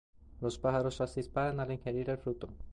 Los pájaros las dispersan al ingerir el fruto.